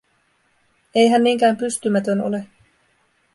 Ei hän niinkään pystymätön ole.